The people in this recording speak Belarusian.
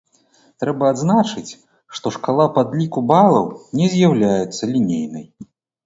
Трэба адзначыць, што шкала падліку балаў не з'яўляецца лінейнай.